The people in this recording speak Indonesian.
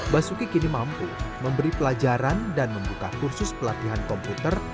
basuki kini mampu memberi pelajaran dan membuka kursus pelatihan komputer